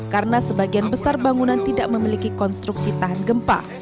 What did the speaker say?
karena sebagian besar bangunan tidak memiliki konstruksi tahan gempa